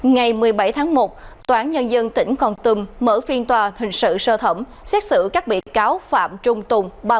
ngày một mươi bảy tháng một toán nhân dân tỉnh còn tùm mở phiên tòa hình sự sơ thẩm xét xử các bị cáo phạm trung tùng